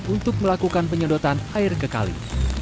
untuk melakukan penyedotan air kekali